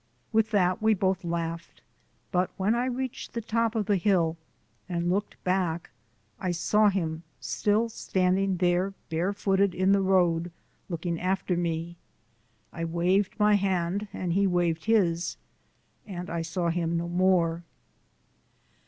With that we both laughed, but when I reached the top of the hill, and looked back, I saw him still standing there bare footed in the road looking after me. I waved my hand and he waved his: and I saw him no more.